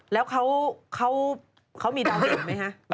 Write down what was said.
แล้วเขามีดาวเด่นไหมคะ